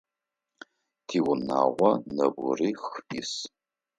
Тиунагъо нэбгырих ис.